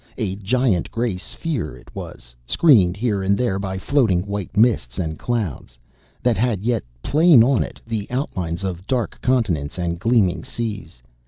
A giant gray sphere it was, screened here and there by floating white mists and clouds, that had yet plain on it the outlines of dark continents and gleaming seas.